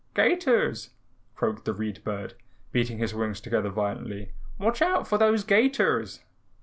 "'Gators!" croaked the Read Bird, beating his wings together violently. "Watch out for those 'gators."